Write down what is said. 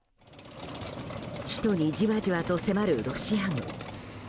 首都にじわじわと迫るロシア軍。